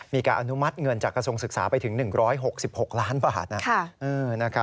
มีการอนุมัติเงินจากกระทรวงศึกษาไปถึง๑๖๖ล้านบาท